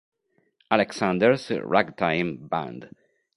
Alexander's Ragtime Band